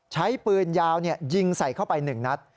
ใช้ปืนยาวยิงใส่เข้าไป๑นัด